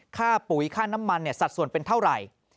ปุ๋ยค่าน้ำมันสัดส่วนเป็นเท่าไหร่